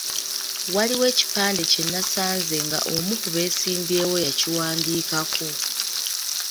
Waliwo ekipande kye nasanze nga omu ku beesimbyewo yakiwandiikako.